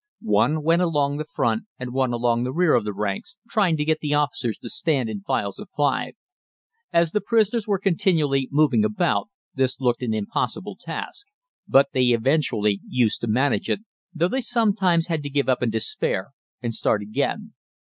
One went along the front and one along the rear of the ranks trying to get the officers to stand in files of five. As the prisoners were continually moving about this looked an impossible task, but they eventually used to manage it, though they sometimes had to give up in despair and start again.